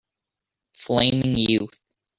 Flaming youth